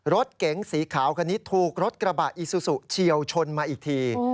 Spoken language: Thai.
รถเก๋งสีขาวคันนี้ถูกรถกระบะอีซูซูเฉียวชนมาอีกที